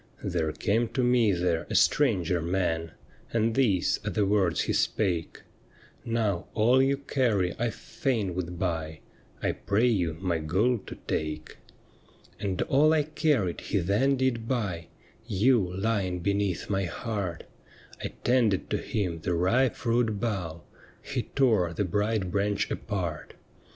' There came to me there a stranger man, And these are the words he spake :" Now, all you carry I fain would buy, I pray you my gold to take." ' And all I carried he then did buy — You lying beneath my heart — I tended to him the ripe fruit bough. He tore the bright branch apart.